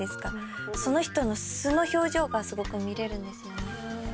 その人の素の表情がすごく見れるんですよね。